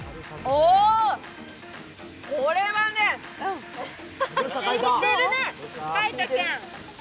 これはね、染みてるね、海音君。